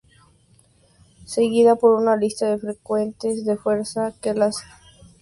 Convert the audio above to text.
Seguida por una lista de fuentes de fuerza que las oración invoca como apoyo.